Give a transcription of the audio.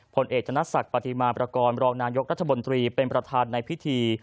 ผลเอกธนศักดิ์ปฏิมาประกอบรองนายกรัฐมนตรีเป็นประธานในพิธี